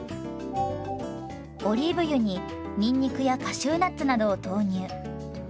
オリーブ油ににんにくやカシューナッツなどを投入。